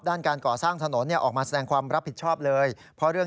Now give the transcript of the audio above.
มีก่อนสร้างทะโหนออกมาสแสงความรับผิดชอบเลย